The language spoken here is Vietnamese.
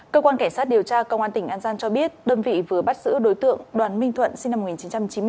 cơ quan cảnh sát điều tra công an tỉnh an giang cho biết đơn vị vừa bắt giữ đối tượng đoàn minh thuận sinh năm một nghìn chín trăm chín mươi bốn